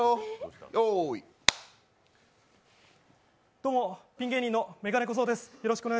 どうも、ピン芸人の眼鏡小僧です。